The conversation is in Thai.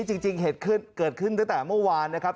จริงเหตุเกิดขึ้นตั้งแต่เมื่อวานนะครับ